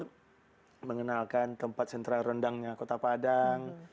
untuk mengenalkan tempat sentra rendangnya kota padang